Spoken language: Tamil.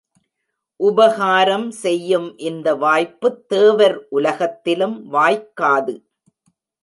உபகாரம் செய்யும் இந்த வாய்ப்புத் தேவர் உலகத்திலும் வாய்க்காது.